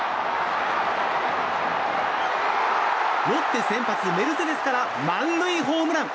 ロッテ先発メルセデスから満塁ホームラン。